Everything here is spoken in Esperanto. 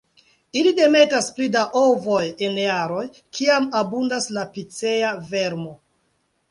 Ili demetas pli da ovoj en jaroj kiam abundas la Picea vermo.